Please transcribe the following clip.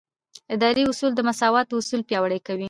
اداري اصول د مساوات اصل پیاوړی کوي.